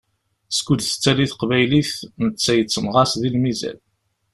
Skud tettali teqbaylit, netta yettenɣaṣ di lmizan.